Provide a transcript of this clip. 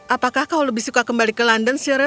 apakah kau lebih suka kembali ke london syra